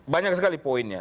banyak sekali poinnya